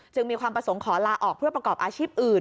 มีความประสงค์ขอลาออกเพื่อประกอบอาชีพอื่น